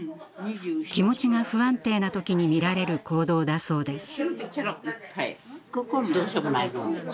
気持ちが不安定な時に見られる行動だそうです。